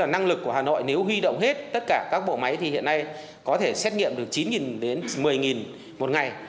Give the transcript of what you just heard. năng lực của hà nội nếu huy động hết tất cả các bộ máy thì hiện nay có thể xét nghiệm được chín đến một mươi một ngày